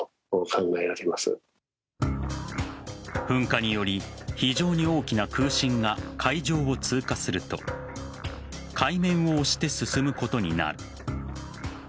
噴火により非常に大きな空振が海上を通過すると海面を押して進むことになる。